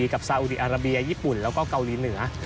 ซาอุดีอาราเบียญี่ปุ่นแล้วก็เกาหลีเหนือ